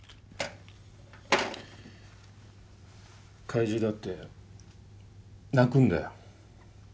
怪獣だって泣くんだよ。